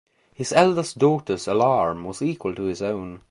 His eldest daughter's alarm was equal to his own.